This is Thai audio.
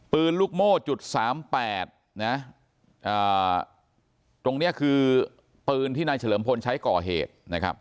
ปืนลูกโมจุด๓๘ตรงนี้คือปืนที่นายเฉลิมพลใช้ก่อเหตุ